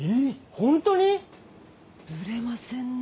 ホントに⁉ブレませんね